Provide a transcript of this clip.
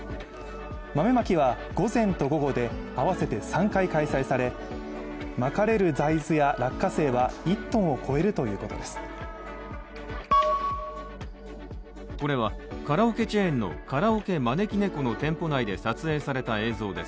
豆まきは午前と午後で合わせて３回開催されまかれる大豆や落花生は１ｔを超えるということです。